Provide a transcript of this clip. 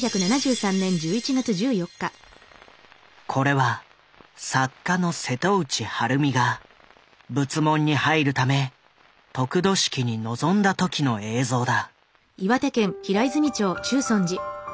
これは作家の瀬戸内晴美が仏門に入るため得度式に臨んだ時の映像だ。